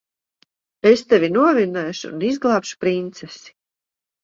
Es tevi novinnēšu un izglābšu princesi.